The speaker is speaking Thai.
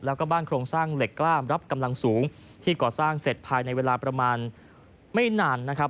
แล้วก็บ้านโครงสร้างเหล็กกล้ามรับกำลังสูงที่ก่อสร้างเสร็จภายในเวลาประมาณไม่นานนะครับ